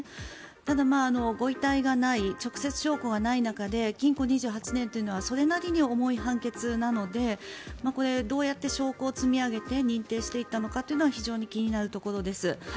ただ、ご遺体がない直接証拠がない中で禁錮２８年というのはそれなりに重い判決なのでこれはどうやって証拠を積み上げて認定していったのかというのは非常に気になるところです。